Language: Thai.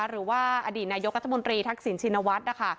หรือว่าอดีตนายกรัฐมนตรีทักษิณชินวัฒน์นะคะ